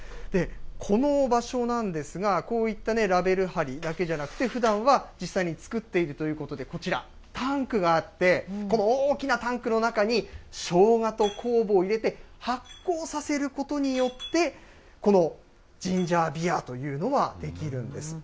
この場所なんですが、こういったね、ラベル貼りだけじゃなくて、ふだんは実際に造っているということで、こちら、タンクがあって、この大きなタンクの中に、しょうがと酵母を入れて、発酵させることによって、このジンジャービアというのは出来るんです。